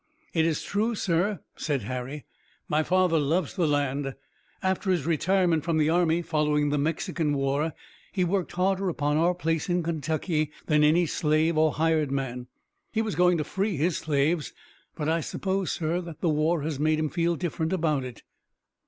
"It is true, sir," said Harry. "My father loves the land. After his retirement from the army, following the Mexican war, he worked harder upon our place in Kentucky than any slave or hired man. He was going to free his slaves, but I suppose, sir, that the war has made him feel different about it."